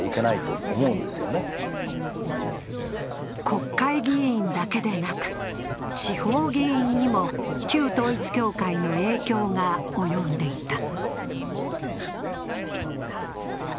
国会議員だけでなく、地方議員にも統一教会の影響が及んでいた。